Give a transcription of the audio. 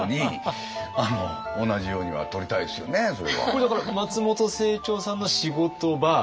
これだから松本清張さんの仕事場。